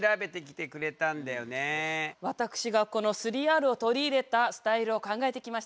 私がこの３Ｒを取り入れたスタイルを考えてきました。